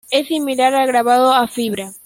Es similar al grabado a fibra.